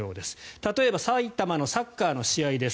例えば埼玉のサッカーの試合です。